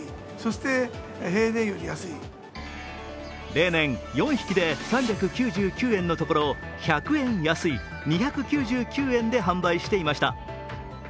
例年４匹で３９９円のところ１００円安い２９９円で販売していました。